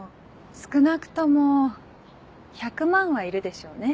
少なくとも１００万はいるでしょうね。